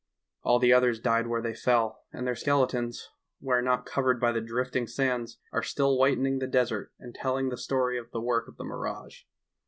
All the others died where they fell, and their skeletons, where not covered by the drifting sands, are still whitening the desert and telling the story of the work of the mirage.